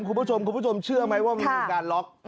คุณผู้ชมเชื่อไหมว่ามันเป็นการล็อค